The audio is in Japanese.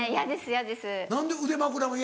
嫌です